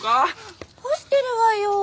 干してるわよ。